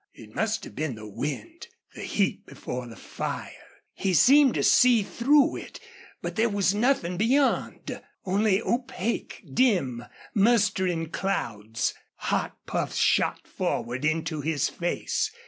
It must have been the wind the heat before the fire. He seemed to see through it, but there was nothing beyond, only opaque, dim, mustering clouds. Hot puffs shot forward into his face.